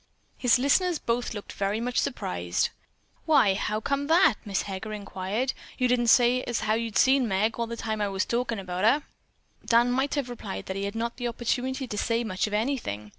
His listeners both looked very much surprised. "Why, how come that?" Mrs. Heger inquired. "You didn't say as how you'd seen Meg, all the time I was talkin' about her." Dan might have replied that he had not had an opportunity to say much of anything.